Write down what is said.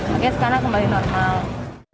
makanya sekarang kembali normal